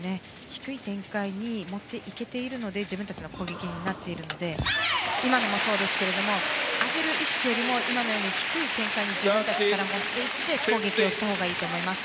低い展開に持っていけているので自分たちの攻撃になっているので今のもそうですが上げる意識より今のように低い展開に自分たちから持っていって攻撃をしたほうがいいと思います。